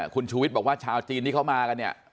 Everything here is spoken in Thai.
คุณชูวิทย์บอกว่าชาวจีนที่เขามากันเนี่ย